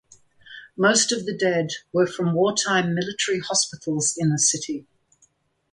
Most of the dead were from wartime military hospitals in the city.